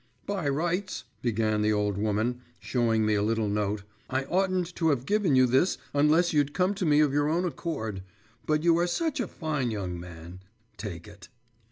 … 'By rights,' began the old woman, showing me a little note; 'I oughtn't to have given you this unless you'd come to me of your own accord, but you are such a fine young man. Take it.